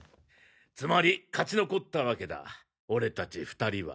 つまり勝ち残ったわけだ俺たち２人は。